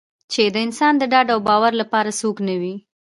چې د انسان د ډاډ او باور لپاره څوک نه وي.